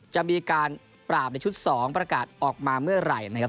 จะมีการปราบในชุด๒ประกาศออกมาเมื่อไหร่นะครับ